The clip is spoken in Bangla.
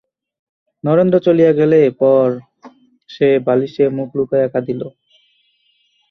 নরেন্দ্র চলিয়া গেলে পর সে বালিশে মুখ লুকাইয়া কাঁদিল।